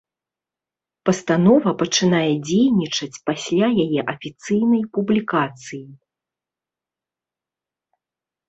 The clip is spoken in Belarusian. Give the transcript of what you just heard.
Пастанова пачынае дзейнічаць пасля яе афіцыйнай публікацыі.